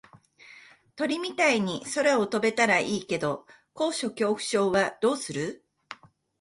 鳥みたいに空を飛べたらいいけど高所恐怖症はどうする？